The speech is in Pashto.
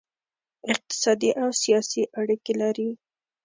اقتصادي او سیاسي اړیکې لري